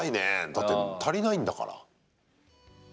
だって、足りないんだから。